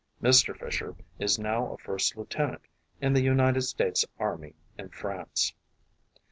Mr. Fisher is now a first lieutenant in the United States Army in France.